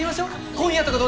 今夜とか。